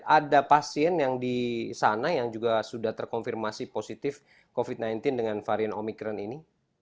ada pasien yang di sana yang juga sudah terkonfirmasi positif covid sembilan belas dengan varian omikron ini